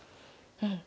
うん。